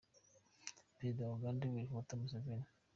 Perezida wa Uganda, Yoweli Kaguta Museveni.